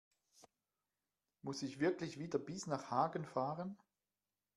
Muss ich wirklich wieder bis nach Hagen fahren?